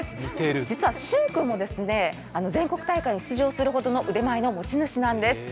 実は駿君も全国大会に出場するほどの腕の持ち主なんです。